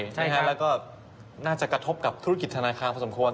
แล้วก็น่าจะกระทบกับธุรกิจธนาคารพอสมควร